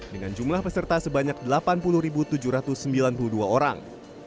dengan jumlah peserta sebanyak delapan puluh tujuh ratus sembilan puluh dua orang